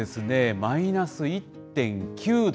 マイナス１．９度。